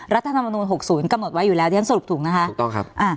รัฐธรรมนุน๖๐กำหนดไว้อยู่แล้วดีตั้งสรุปถูกนะคะ